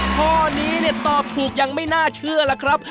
ข้อนี้เนี่ยตอบถูกยังไม่น่าเชื่อล่ะครับ